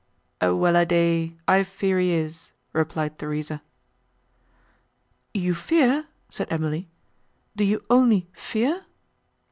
"A well a day! I fear he is," replied Theresa. "You fear!" said Emily, "do you only fear?"